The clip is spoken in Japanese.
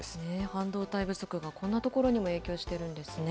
半導体不足がこんなところにも影響しているんですね。